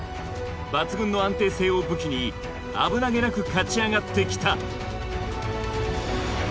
抜群の安定性を武器に危なげなく勝ち上がってきた。